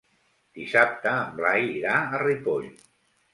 Dissabte en Blai irà a Ripoll.